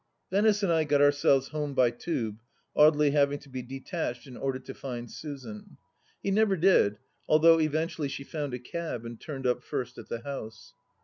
Venice and I got ourselves home by Tube, Audely having to be detached in order to find Susan. He never did, although eventually she found a cab and turned up first at the house.